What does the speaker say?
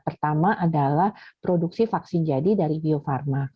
pertama adalah produksi vaksin jadi dari bio farma